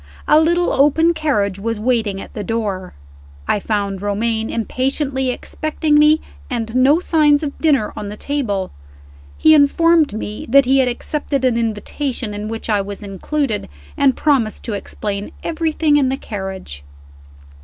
A little open carriage was waiting at the door. I found Romayne impatiently expecting me, and no signs of dinner on the table. He informed me that he had accepted an invitation, in which I was included, and promised to explain everything in the carriage.